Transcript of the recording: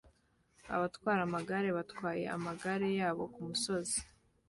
Abatwara amagare batwaye amagare yabo kumusozi